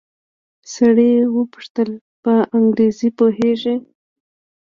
سړي وپوښتل په انګريزي پوهېږې.